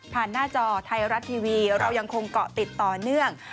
หน้าจอไทยรัฐทีวีเรายังคงเกาะติดต่อเนื่อง